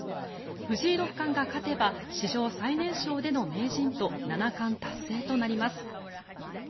藤井六冠が勝てば史上最年少での名人と七冠達成となります。